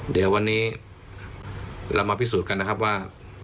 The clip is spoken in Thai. เดี๋ยววันนี้เรามาพิสูจน์กันนะครับว่า